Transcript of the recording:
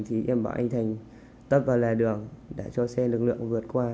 thì em bảo anh thành tấp vào lề đường để cho xe lực lượng vượt qua